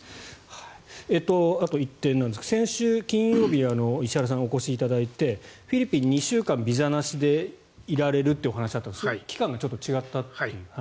あと１点ですが先週金曜日石原さんにお越しいただいてフィリピン２週間ビザなしでいられるというお話があったんですがそれは期間がちょっと違ったということで。